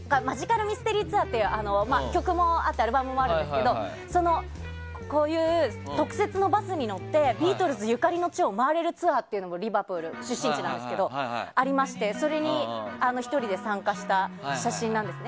「ＭａｇｉｃａｌＭｙｓｔｅｒｙＴｏｕｒ」曲もあってアルバムもあるんですけどこういう特設のバスに乗ってビートルズゆかりの地を回れるツアーっていうのがリバプール、出身地なんですけどそれに１人で参加した写真なんです。